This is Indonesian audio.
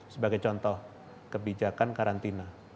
sebagai contoh kebijakan karantina